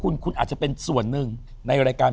อยู่ที่แม่ศรีวิรัยิลครับ